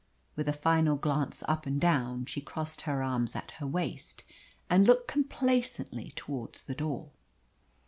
With a final glance up and down, she crossed her arms at her waist and looked complacently towards the door.